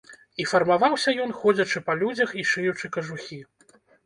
І фармаваўся ён, ходзячы па людзях і шыючы кажухі.